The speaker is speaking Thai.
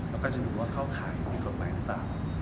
แล้วก็จะดูเขาขายผิดกรดไม้ตาม